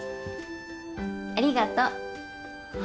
ありがとう。